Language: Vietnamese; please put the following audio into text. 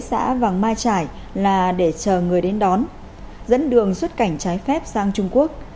xã vàng mai trải là để chờ người đến đón dẫn đường xuất cảnh trái phép sang trung quốc